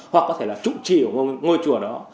hoặc có thể là trụ trì của ngôi chùa đó